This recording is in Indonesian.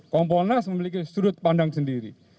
kompolnas memiliki sudut pandang sendiri